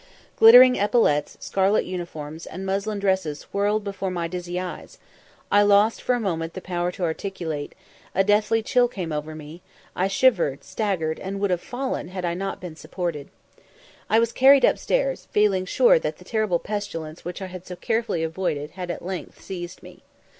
Glittering epaulettes, scarlet uniforms, and muslin dresses whirled before my dizzy eyes I lost for a moment the power to articulate a deathly chill came over me I shivered, staggered, and would have fallen had I not been supported. I was carried upstairs, feeling sure that the terrible pestilence which I had so carefully avoided had at length seized me.